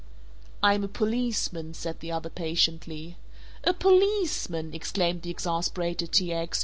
"I'm a policeman," said the other patiently. "A policeman!" exclaimed the exasperated T. X.